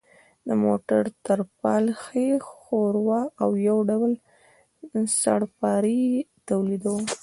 د موټر ترپال یې ښوراوه او یو ډول سړپاری یې تولیداوه.